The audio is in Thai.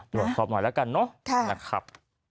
ตรวจสอบหน่อยแล้วกันเนอะนะครับ